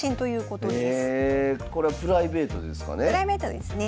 これはプライベートですかね？